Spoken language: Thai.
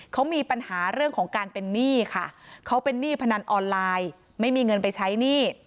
เขามีปัญหาเรื่องของการเป็นหนี้ค่ะเขาเป็นหนี้พนันออนไลน์ไม่มีเงินไปใช้หนี้